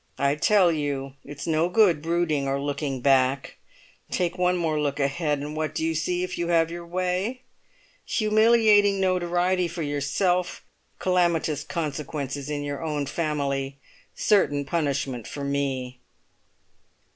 I tell you it's no good brooding or looking back; take one more look ahead, and what do you see if you have your way? Humiliating notoriety for yourself, calamitous consequences in your own family, certain punishment for me!"